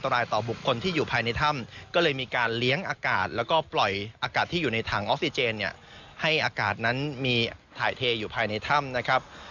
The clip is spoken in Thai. แล้วก็ปล่อยอากาศที่อยู่ในถังออกซิเจนเนี่ยให้อากาศนั้นมีถ่ายเทอยู่ภายในถ้ำนะครับ